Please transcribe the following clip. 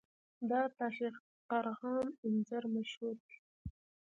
د تاشقرغان انځر مشهور دي